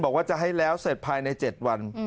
บอกว่าจะให้แล้วเสร็จภายใน๗วัน